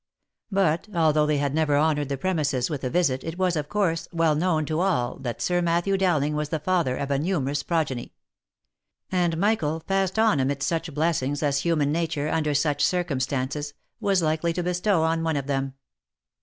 But, although they had never honoured the premises with a visit, it was, of course, well known to all that Sir Matthew Dowling was the father of a numerous progeny ; and Michael passed on amidst such blessings as human nature, under such circumstances, was likely to bestow on one of them.